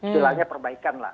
silahkan perbaikan lah